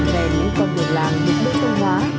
về những con đường làng những nơi tông hóa